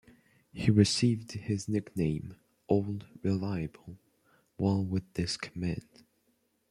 He received his nickname, "Old Reliable", while with this command.